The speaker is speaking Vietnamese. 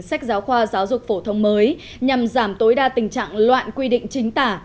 sách giáo khoa giáo dục phổ thông mới nhằm giảm tối đa tình trạng loạn quy định chính tả